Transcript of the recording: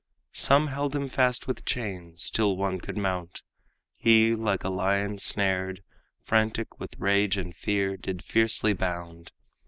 Some held him fast with chains Till one could mount. He, like a lion snared, Frantic with rage and fear, did fiercely bound.